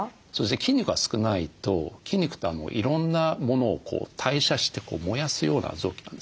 筋肉が少ないと筋肉っていろんなものを代謝して燃やすような臓器なんですね。